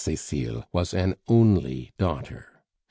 Cecile was an only daughter.